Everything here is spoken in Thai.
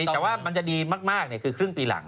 แต่ว่ามันจะดีมากคือครึ่งปีหลัง